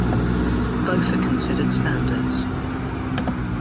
Both are considered standards.